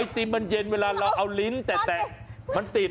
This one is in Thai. ติมมันเย็นเวลาเราเอาลิ้นแตะมันติด